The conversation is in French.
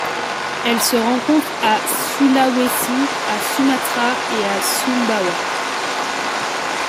Elle se rencontre à Sulawesi, à Sumatra et à Sumbawa.